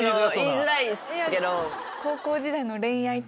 言いづらいんですけど。